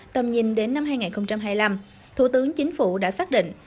tầm nhìn đến năm hai nghìn hai mươi năm thủ tướng chính phủ đã xác định